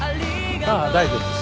ああ大丈夫です。